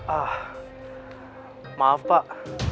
ah maaf pak